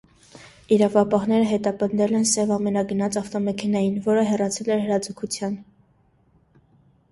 Իրավապահները հետապնդել են սև ամենագնաց ավտոմեքենային, որը հեռացել էր հրաձգության վայրից։